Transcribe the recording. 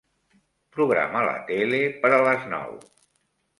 Programa la tele per a les nou.